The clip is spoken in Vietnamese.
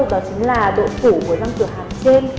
đó chính là độ phủ của răng cửa hàm trên